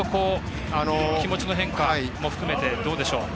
気持ちの変化も含めてどうでしょうか。